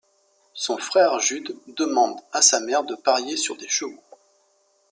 Son frère Jud demande à sa mère de parier sur des chevaux.